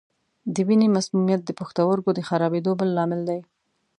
د وینې مسمومیت د پښتورګو د خرابېدو بل لامل دی.